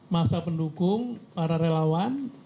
masa pendukung para relawan